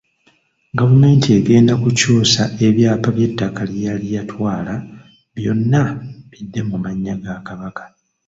Gavumenti egenda kukyusa ebyapa by'ettaka lye yali yatwala byonna bidde mu mannya ga Kabaka.